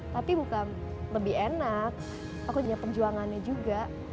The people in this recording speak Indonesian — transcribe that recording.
tapi bukan lebih enak aku punya perjuangannya juga